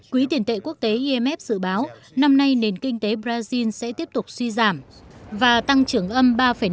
quỹ tiền tệ quốc tế imf dự báo năm nay nền kinh tế brazil sẽ tiếp tục suy giảm và tăng trưởng âm ba năm